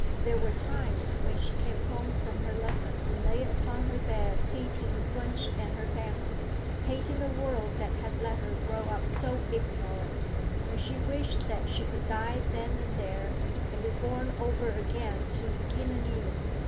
There were times when she came home from her lesson and lay upon her bed hating Wunsch and her family, hating a world that had let her grow up so ignorant; when she wished that she could die then and there, and be born over again to begin anew.